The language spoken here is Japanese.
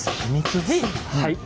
はい。